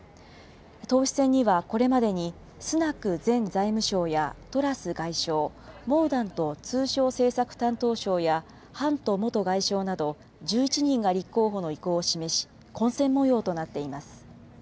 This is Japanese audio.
党首選にはこれまでに、スナク前財務相やトラス外相、モーダント通商政策担当相や、ハント元外相など、１１人が立候補の意向を示し、混戦もようとなっています。